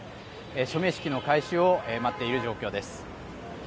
署名式の開始を待っている状況です。